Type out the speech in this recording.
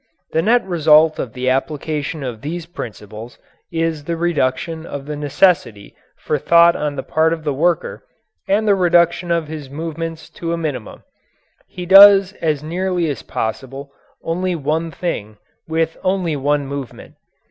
The net result of the application of these principles is the reduction of the necessity for thought on the part of the worker and the reduction of his movements to a minimum. He does as nearly as possible only one thing with only one movement.